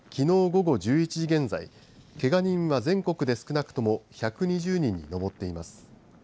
午後１１時現在けが人は全国で少なくとも１２０人に上っています。